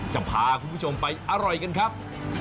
จะพาคุณผู้ชมไปอร่อยกันครับ